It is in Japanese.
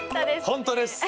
本当です！